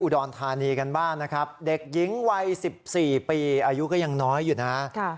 รธานีกันบ้างนะครับเด็กหญิงวัย๑๔ปีอายุก็ยังน้อยอยู่นะ